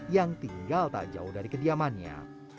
yang tinggal tak jauh dari kediamannya